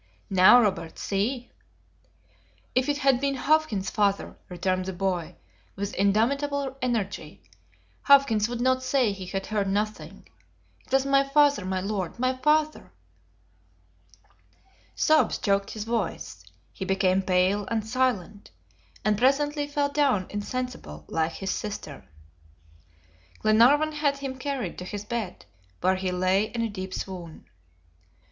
"Now Robert, see?" "If it had been Hawkins's father," returned the boy, with indomitable energy, "Hawkins would not say he had heard nothing. It was my father, my lord! my father." Sobs choked his voice; he became pale and silent, and presently fell down insensible, like his sister. Glenarvan had him carried to his bed, where he lay in a deep swoon.